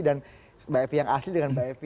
dan mbak evi yang asli dengan mbak evi